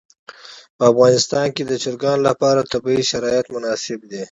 په افغانستان کې د چرګان لپاره طبیعي شرایط مناسب دي.